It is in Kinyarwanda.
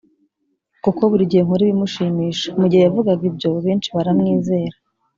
kuko buri gihe nkora ibimushimisha mu gihe yavugaga ibyo benshi baramwizera